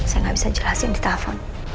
saya gak bisa jelasin di telfon